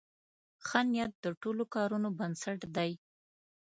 ښه نیت د ټولو کارونو بنسټ دی.